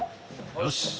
よし。